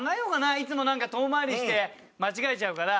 いつもなんか遠回りして間違えちゃうから。